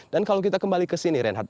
dan kalau kita kembali kesini reinhardt